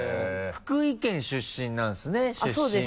福井県出身なんですね出身は。